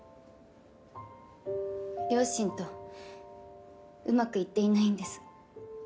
両親とうまくいっていないんです。